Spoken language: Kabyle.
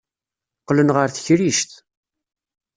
Qqlen ɣer tekrict.